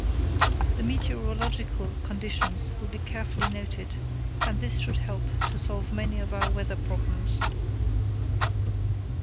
The meteorological conditions will be carefully noted, and this should help to solve many of our weather problems.